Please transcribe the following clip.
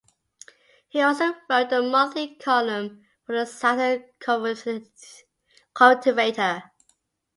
He also wrote a monthly column for the "Southern Cultivator".